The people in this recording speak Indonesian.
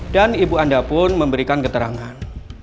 dan ibu anda pun memberikan keterangan